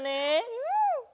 うん！